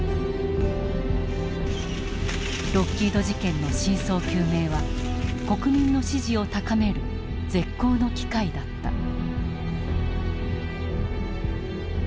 ロッキード事件の真相究明は国民の支持を高める絶好の機会だった。